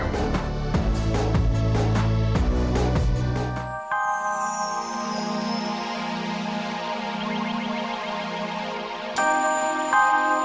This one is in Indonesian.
kau ngerti apa